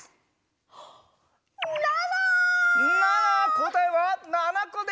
こたえは７こでした！